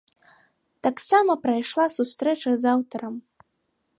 Таксама прайшла сустрэча з аўтарам.